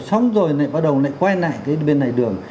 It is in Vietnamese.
xong rồi lại bắt đầu lại quay lại cái bên này đường